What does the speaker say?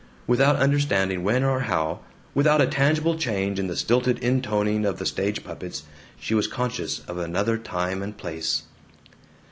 Without understanding when or how, without a tangible change in the stilted intoning of the stage puppets, she was conscious of another time and place.